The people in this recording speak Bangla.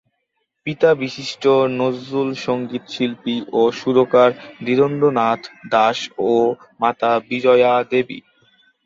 পিতা বিশিষ্ট নজরুল সংগীত শিল্পী ও সুরকার ধীরেন্দ্রনাথ দাস ও মাতা বিজয়া দেবী।